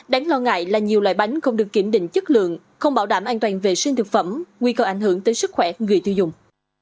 đáng lo ngại là nhiều loại bánh không được kiểm định chất lượng không bảo đảm an toàn vệ sinh thực phẩm nguy cơ ảnh hưởng tới sức khỏe người tiêu dùng